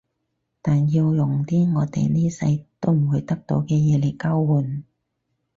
但要用啲我哋呢世都唔會得到嘅嘢嚟交換